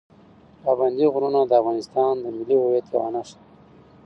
پابندي غرونه د افغانستان د ملي هویت یوه نښه ده.